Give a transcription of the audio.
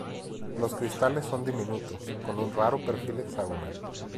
Los cristales son diminutos con un raro perfil hexagonal.